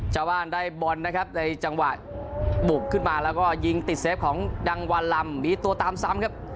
ชาวบ้านได้บอลนะครับในจังหวะบุกขึ้นมาแล้วก็ยิงติดเซฟของดังวันลำมีตัวตามซ้ำครับ